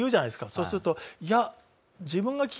そうすると。